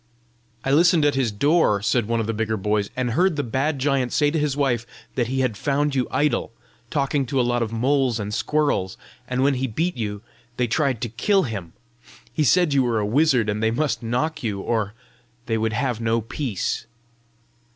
"I listened at his door," said one of the bigger boys, "and heard the bad giant say to his wife that he had found you idle, talking to a lot of moles and squirrels, and when he beat you, they tried to kill him. He said you were a wizard, and they must knock you, or they would have no peace."